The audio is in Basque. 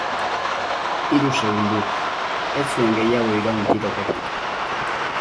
Hiru segundo, ez zuen gehiago iraun tiroketak.